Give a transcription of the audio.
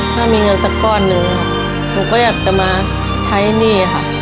ถ้ามีเงินสักก้อนหนึ่งหนูก็อยากจะมาใช้หนี้ค่ะ